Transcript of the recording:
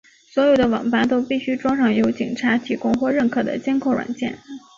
所有的网吧都必须装上由警察提供或认可的监控软件。